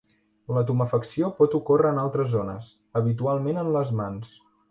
La tumefacció pot ocórrer en altres zones, habitualment en les mans.